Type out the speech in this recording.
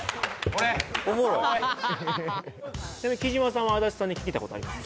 ・おもろいちなみに貴島さんは安達さんに聞きたいことあります？